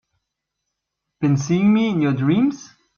Been seeing me in your dreams?